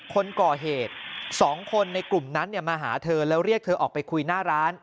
คนก่อเหตุ๒คนในกลุ่มนั้นมาหาเธอแล้วเรียกเธอออกไปคุยหน้าร้าน